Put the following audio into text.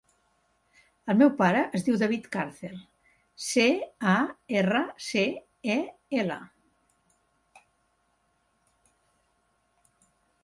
El meu pare es diu David Carcel: ce, a, erra, ce, e, ela.